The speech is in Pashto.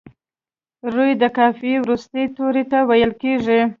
روي د قافیې وروستي توري ته ویل کیږي.